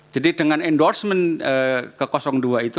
jadi dengan endorsement ke dua itu